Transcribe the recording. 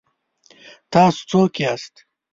ـ تاسو څوک یاست؟